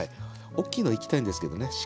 おっきいのいきたいんですけどね。